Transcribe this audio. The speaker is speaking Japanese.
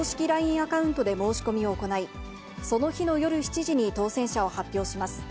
アカウントで申し込みを行い、その日の夜７時に当せん者を発表します。